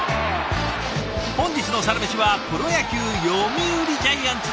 本日のサラメシはプロ野球読売ジャイアンツのお話から。